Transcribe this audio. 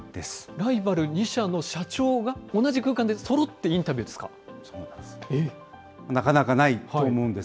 ライバル２社の社長が、同じ空間でそろってインタビューですそうなんです。